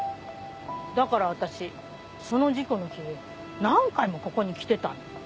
だから私その事故の日何回もここに来てたの。